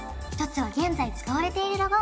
１つは現在使われているロゴ